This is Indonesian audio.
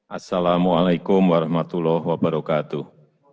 assalamu'alaikum warahmatullahi wabarakatuh